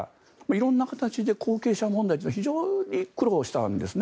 色んな形で後継者問題に非常に苦労したんですね。